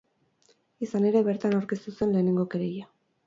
Izan ere, bertan aurkeztu zen lehenengo kereila.